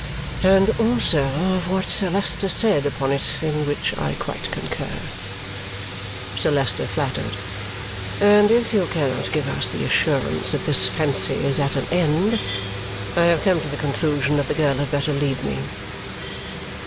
"And also of what Sir Leicester said upon it, in which I quite concur" Sir Leicester flattered "and if you cannot give us the assurance that this fancy is at an end, I have come to the conclusion that the girl had better leave me."